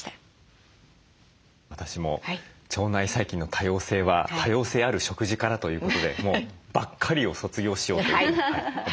私も腸内細菌の多様性は多様性ある食事からということでもう「ばっかり」を卒業しようと思いました。